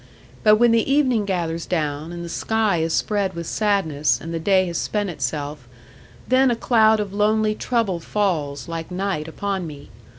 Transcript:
But when the evening gathers down, and the sky is spread with sadness, and the day has spent itself; then a cloud of lonely trouble falls, like night, upon me.